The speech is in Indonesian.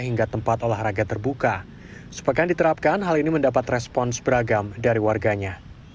hingga tempat olahraga terbuka sepekan diterapkan hal ini mendapat respons beragam dari warganya